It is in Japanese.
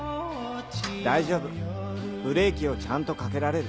大丈夫ブレーキをちゃんとかけられる。